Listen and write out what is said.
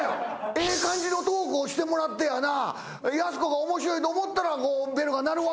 ええ感じのトークをしてもらってやなやす子が面白いと思ったらベルが鳴るわけや。